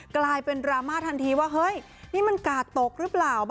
กลายเป็นดราม่าทันทีว่าเฮ้ยนี่มันกาดตกหรือเปล่า